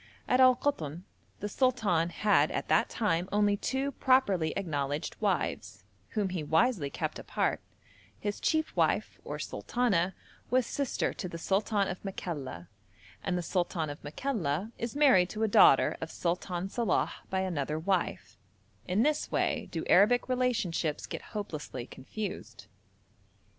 At Al Koton the sultan had at that time only two properly acknowledged wives, whom he wisely kept apart; his chief wife, or 'sultana,' was sister to the sultan of Makalla, and the sultan of Makalla is married to a daughter of Sultan Salàh by another wife; in this way do Arabic relationships get hopelessly confused.